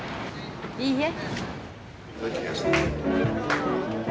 いいえ。